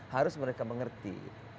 harus mereka mengerti